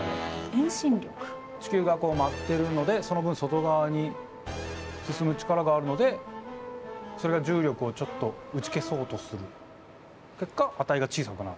地球がこう回ってるのでその分外側に進む力があるのでそれが重力をちょっと打ち消そうとする結果値が小さくなる。